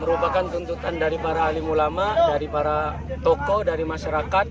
merupakan tuntutan dari para alim ulama dari para tokoh dari masyarakat